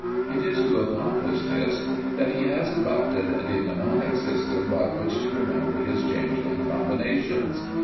It is to accomplish this that he has adopted the mnemonic system by which to remember his changing combinations.